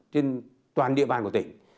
trên toàn địa bàn của tỉnh